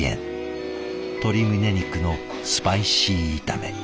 鶏胸肉のスパイシー炒め。